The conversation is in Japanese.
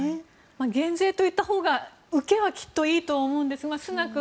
減税と言ったほうが受けはきっといいと思うんですがスナク